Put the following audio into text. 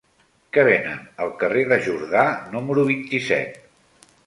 Què venen al carrer de Jordà número vint-i-set?